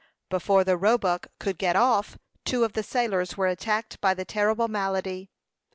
Before the Roebuck could get off, two of the sailors were attacked by the terrible malady.